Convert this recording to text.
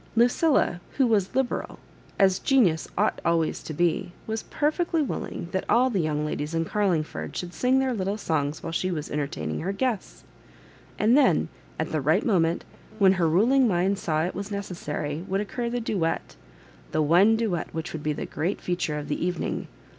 Lucilla, who was liberal, as genius ought always to be, was perfectly willing that all the young ladies in Carlingford should sing their little songs while she was entertfdning her guests; and then at the right moment, when her ruling mind saw it was necessary, would occur the duet— the one duet which would be the great feature of the evening.